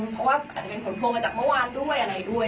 เพราะว่าอาจจะเป็นผลพวงมาจากเมื่อวานด้วยอะไรด้วย